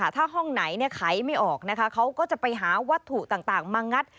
ถ้าห้องไหนไขไม่ออกนะคะเขาก็จะไปหาวัตถุต่างมางัด